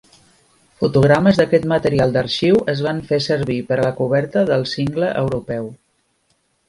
Fotogrames d'aquest material d'arxiu es van fer servir per a la coberta del single europeu.